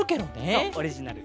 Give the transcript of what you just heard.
そうオリジナル。